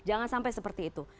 jangan sampai seperti itu